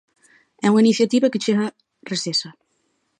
É unha iniciativa que chega resesa.